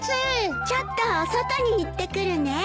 ちょっとお外に行ってくるね。